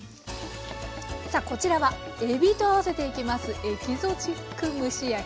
さあこちらはえびと合わせていきます。